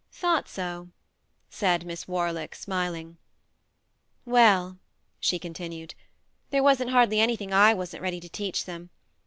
"Thought so," said Miss Warlick, smiling. " Well," she continued, " there wasn't hardly anything / wasn't ready to teach them.